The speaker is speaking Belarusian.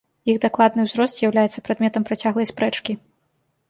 Іх дакладны ўзрост з'яўляецца прадметам працяглай спрэчкі.